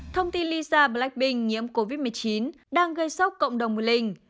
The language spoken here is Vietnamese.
thông tin lisa blackpink nhiễm covid một mươi chín đang gây sốc cộng đồng mưu linh